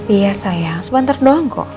iya sayang sebentar doang kok